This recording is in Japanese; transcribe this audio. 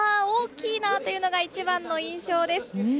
大きいなというのが一番の印象です。